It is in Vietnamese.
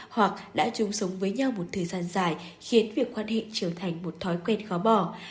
hoặc đã chung sống với nhau một thời gian dài khiến việc quan hệ trở thành một thói quen khó bỏ